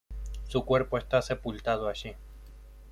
Su cuerpo está sepultado allí.